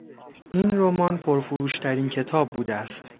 این رمان پرفروشترین کتاب بوده است.